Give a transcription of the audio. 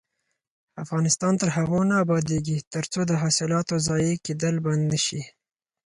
افغانستان تر هغو نه ابادیږي، ترڅو د حاصلاتو ضایع کیدل بند نشي.